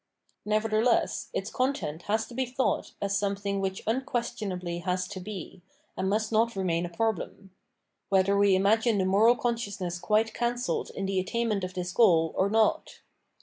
Nevertheless, its content has to be thought as some 616 Phenomenology of Mind thing which unquestionably has to be, and must not remain a problem : whether we imagine the moral consciousness quite cancelled in the attainment of this goal, or not.